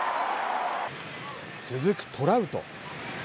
続くトラウト。